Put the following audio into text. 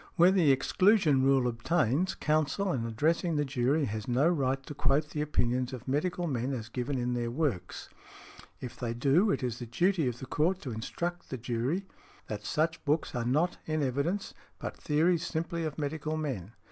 Where the exclusion rule obtains, counsel in addressing the jury has no right to quote the opinions of medical men as given in their works; if they do, it is the duty of the Court to instruct the jury that such books are not in evidence but theories simply of medical men .